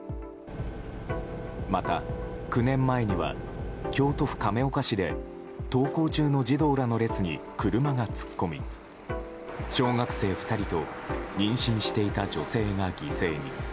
また９年前には京都府亀岡市で登校中の児童らの列に車が突っ込み小学生２人と妊娠していた女性が犠牲に。